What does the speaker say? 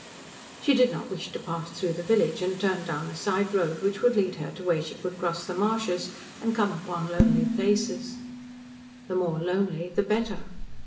She did not wish to pass through the village, and turned down a side road, which would lead her to where she could cross the marshes, and come upon lonely places. The more lonely, the better.